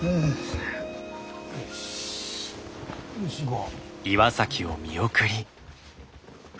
よし行こう。